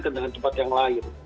kedengaran tempat yang lain